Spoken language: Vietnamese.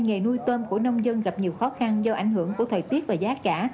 nghề nuôi tôm của nông dân gặp nhiều khó khăn do ảnh hưởng của thời tiết và giá cả